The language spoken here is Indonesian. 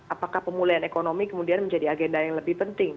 apakah pemulihan ekonomi kemudian menjadi agenda yang lebih penting